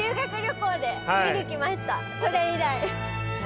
それ以来。